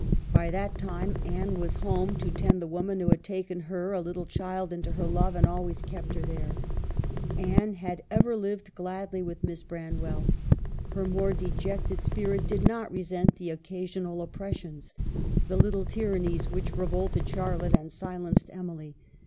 By that time Anne was home to tend the woman who had taken her, a little child, into her love and always kept her there. Anne had ever lived gladly with Miss Branwell ; her more dejected spirit did not resent the occasional oppressions, the little tyrannies, which revolted Charlotte and silenced Emily.